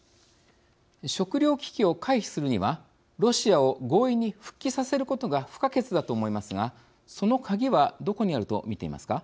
食料危機を回避するにはロシアを合意に復帰させることが不可欠だと思いますがそのカギはどこにあると見ていますか。